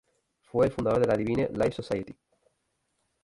Fue el fundador de la Divine Life Society.